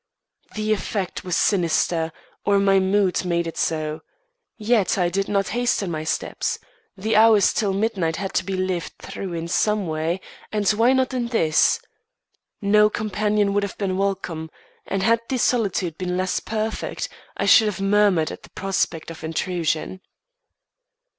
The effect was sinister, or my mood made it so; yet I did not hasten my steps; the hours till midnight had to be lived through in some way, and why not in this? No companion would have been welcome, and had the solitude been less perfect, I should have murmured at the prospect of intrusion.